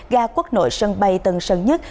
gà quốc nội sân bay tân sơn nhất